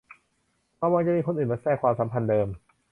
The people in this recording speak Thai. ระวังจะมีคนอื่นมาแทรกความสัมพันธ์เดิม